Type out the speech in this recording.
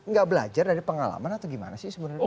nggak belajar dari pengalaman atau gimana sih sebenarnya